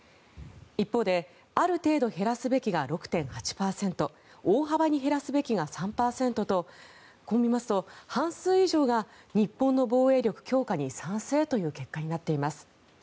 一方である程度減らすべきが６．８％大幅に減らすべきが３％とこう見ますと半数以上が日本の防衛力強化に賛成という結果になっています。